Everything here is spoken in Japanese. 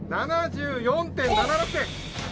７４．７６点！